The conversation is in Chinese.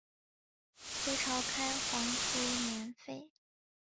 隋朝开皇初年废。